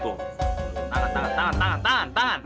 tuh tuh tangan tangan tangan tangan tangan tangan